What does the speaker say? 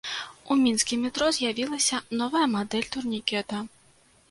У мінскім метро з'явілася новая мадэль турнікета.